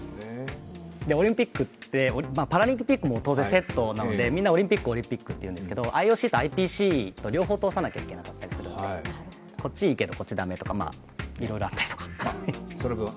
オリンピックって、パラリンピックも当然セットなのでみんなオリンピック、オリンピックって言うんですけどＩＯＣとＩＰＣと両方通さなきゃいけなかったりするので、こっちいいけど、こっちは駄目とかいろいろあったりして。